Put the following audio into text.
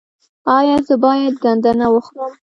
ایا زه باید ګندنه وخورم؟